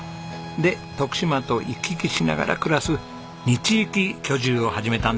で徳島と行き来しながら暮らす二地域居住を始めたんです。